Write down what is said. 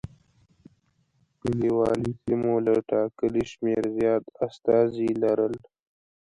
کلیوالي سیمو له ټاکلي شمېر زیات استازي لرل.